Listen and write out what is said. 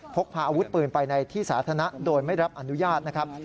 พกพาอาวุธปืนไปในที่สาธารณะโดยไม่รับอนุญาตนะครับ